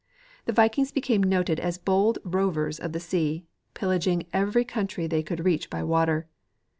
The vik ings became noted as bold rovers of the sea, pillaging every country they could reach by water.